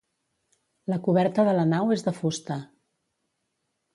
La coberta de la nau és de fusta.